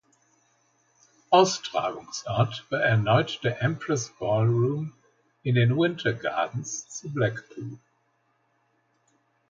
Austragungsort war erneut der Empress Ballroom in den Winter Gardens zu Blackpool.